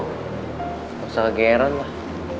gak usah ngegeran lah